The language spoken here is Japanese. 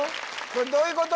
これどういうこと？